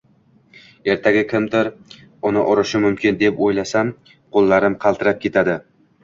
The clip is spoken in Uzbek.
Ertaga kimdir uni urishi mumkin deb o'ylasam, qo'llarim qaltirab ketadi.